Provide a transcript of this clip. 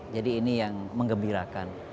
jadi ini yang mengembirakan